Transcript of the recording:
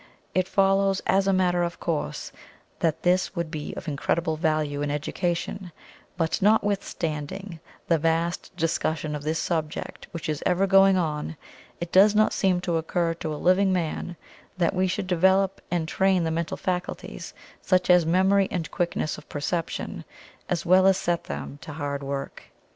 It follows as a matter of course, that this would be of incredible value in education, but notwithstanding the vast discussion of this subject which is ever going on, it does not seem to occur to a living man that we should develop and train the mental faculties, such as memory and quickness of perception, as well as set them to hard work.